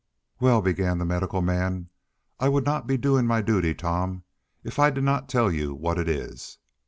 "Well," began the medical man, "I would not be doing my duty, Tom, if I did not tell you what it is.